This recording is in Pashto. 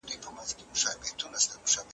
که یو شی خراب شي ټول خرابیږي.